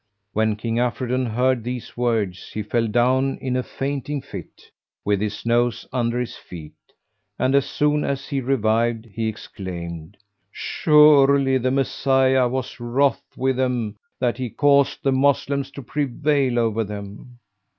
When King Afridun heard these words he fell down in a fainting fit, with his nose under his feet; and, as soon as he revived, he exclaimed, "Surely the Messiah was wroth with them that he caused the Moslems to prevail over them!"